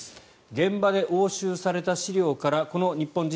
現場で押収された資料からこの日本人